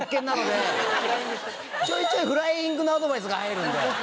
ちょいちょいフライングのアドバイスが入るんで。